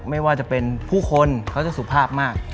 ไม่ว่าจะเป็นผู้คนเขาจะสุภาพมาก